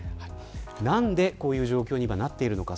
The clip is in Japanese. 何でこういう状況になっているのか。